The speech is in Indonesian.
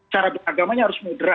cara beragamanya harus mudera